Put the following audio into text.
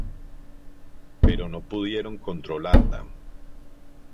Pero no pudieron controlarla.